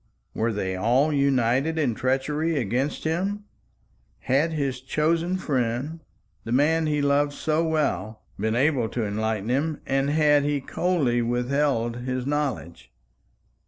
Were they all united in treachery against him? Had his chosen friend the man he loved so well been able to enlighten him, and had he coldly withheld his knowledge?